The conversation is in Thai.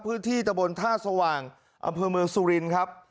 ตะบนท่าสว่างอำเภอเมืองสุรินครับ